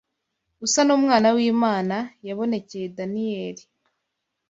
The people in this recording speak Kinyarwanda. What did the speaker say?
Usa n’umwana w’Imana yabonekeye Daniyeli